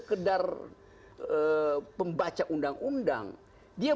karena itu dia